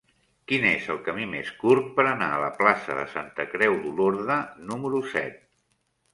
Quin és el camí més curt per anar a la plaça de Santa Creu d'Olorda número set?